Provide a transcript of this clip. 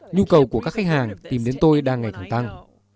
nhu cầu của các khách hàng tìm đến tôi đang ngày càng tăng